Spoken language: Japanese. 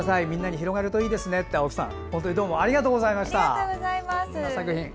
広がるといいですねと、青木さん。どうもありがとうございました。